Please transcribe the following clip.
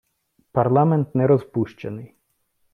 Парламент не розпущений.